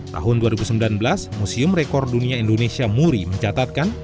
tahun dua ribu sembilan belas museum rekor dunia indonesia muri mencatatkan